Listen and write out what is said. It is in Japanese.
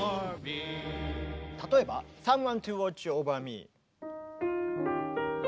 例えば「サムワン・トゥ・ウォッチ・オーバー・ミー」。